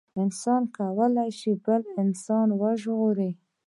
انسان کولي شي بل انسان وژغوري